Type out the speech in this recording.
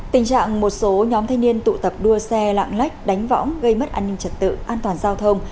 tình trạng một số nhóm thanh niên tụ tập đua xe lạng lách đánh võng gây mất an ninh trật tự an toàn giao thông